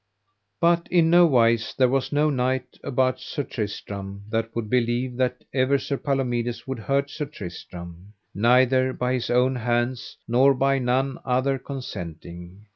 But in no wise there was no knight about Sir Tristram that would believe that ever Sir Palomides would hurt Sir Tristram, neither by his own hands nor by none other consenting.